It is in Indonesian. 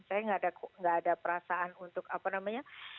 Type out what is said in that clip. saya nggak ada perasaan untuk apa namanya